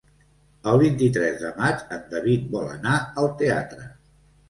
El vint-i-tres de maig en David vol anar al teatre.